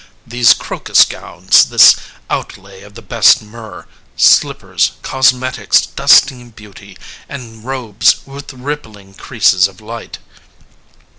These crocus gowns, this outlay of the best myrrh, Slippers, cosmetics dusting beauty, and robes With rippling creases of light.